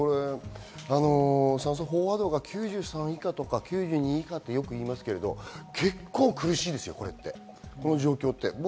酸素飽和度が９３以下とかよく言いますけど、結構苦しいですよ、この状況って。